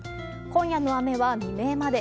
今夜の雨は未明まで。